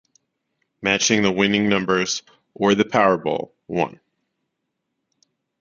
Matching the winning numbers or the powerball won.